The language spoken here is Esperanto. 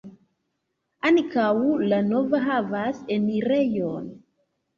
Ankaŭ la navo havas enirejon.